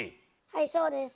はいそうです。